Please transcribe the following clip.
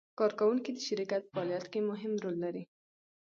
کارکوونکي د شرکت په فعالیت کې مهم رول لري.